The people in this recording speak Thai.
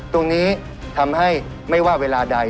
ตรงนี้ทำให้ไม่ว่าเวลาใด